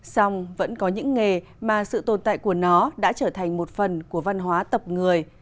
xong vẫn có những nghề mà sự tồn tại của nó đã trở thành một phần của văn hóa tập người